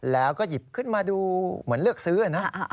แล้วก็หยิบขึ้นมาดูเหมือนเลือกซื้อนะ